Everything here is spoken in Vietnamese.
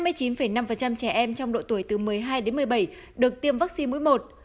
năm mươi chín năm trẻ em trong độ tuổi từ một mươi hai đến một mươi bảy được tiêm vaccine mũi một